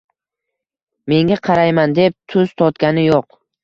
Menga qarayman deb, tuz totgani yo‘q